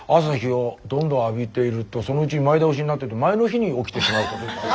朝日をどんどん浴びているとそのうちに前倒しになってって前の日に起きてしまうことに。